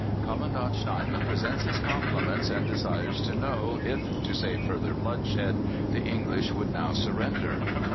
"Commandant Snyman presents his compliments, and desires to know if, to save further bloodshed, the English would now surrender."